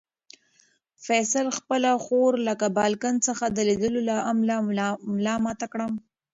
فیصل خپله خور له بالکن څخه د لیدلو له امله ملامته کړه.